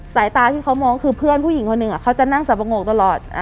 สายตาที่เขามองคือเพื่อนผู้หญิงคนหนึ่งเขาจะนั่งสับปะโงกตลอด